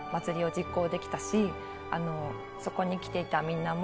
そこに来てたみんなも。